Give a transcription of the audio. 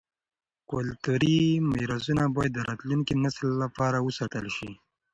کلتوري میراثونه باید د راتلونکي نسل لپاره وساتل شي.